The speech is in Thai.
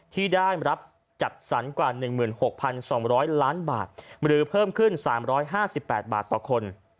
ที่ได้รับจัดสรรกว่า๑๖๒๐๐ล้านบาทหรือเพิ่มขึ้น๓๕๘บาทต่อคน